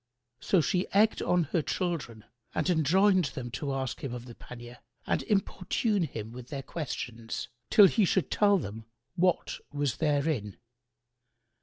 So she egged on her children and enjoined them to ask him of the pannier and importune him with their questions, till he should tell them what was therein.